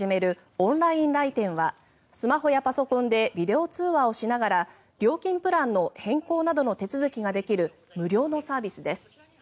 オンライン来店はスマホやパソコンでビデオ通話をしながら料金プランの変更などの手続きができる無料のサービスです。